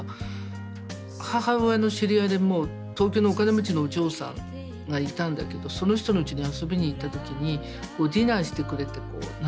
母親の知り合いでもう東京のお金持ちのお嬢さんがいたんだけどその人のうちに遊びに行った時にディナーしてくれて何て言うんですか。